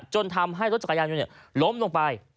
จนทำให้รถจักรยานยนต์ล้มลงไป